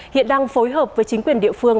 hiện đang phối hợp với chính quyền địa phương